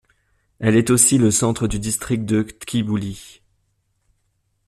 Elle est aussi le centre du district de Tkibuli.